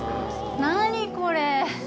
何、これ！？